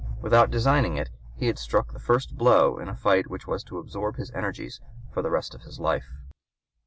Without designing it he had struck the first blow in a fight which was to absorb his energies for the rest of his life.